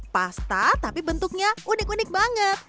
pasta tapi bentuknya unik unik banget